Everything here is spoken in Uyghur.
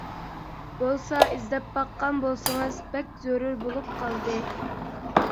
بولسا ئىزدەپ باققان بولسىڭىز، بەك زۆرۈر بولۇپ قالدى.